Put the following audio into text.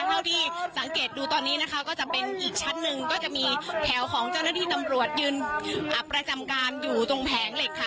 เท่าที่สังเกตดูตอนนี้นะคะก็จะเป็นอีกชั้นหนึ่งก็จะมีแถวของเจ้าหน้าที่ตำรวจยืนประจำการอยู่ตรงแผงเหล็กค่ะ